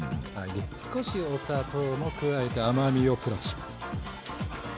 少しお砂糖も加えて甘みをプラスします。